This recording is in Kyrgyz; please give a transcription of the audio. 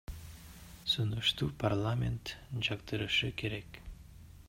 Сунушту парламент жактырышы керек.